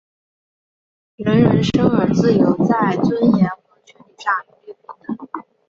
人人生而自由,在尊严和权利上一律平等。